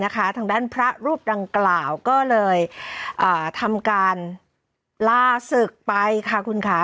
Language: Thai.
ทางด้านพระรูปดังกล่าวก็เลยทำการลาศึกไปค่ะคุณค่ะ